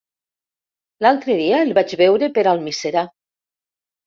L'altre dia el vaig veure per Almiserà.